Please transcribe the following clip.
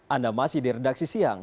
anda masih di redaksi siang